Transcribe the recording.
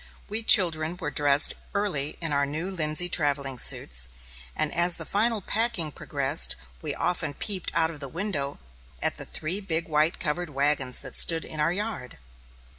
We children were dressed early in our new linsey travelling suits; and as the final packing progressed, we often peeped out of the window at the three big white covered wagons that stood in our yard.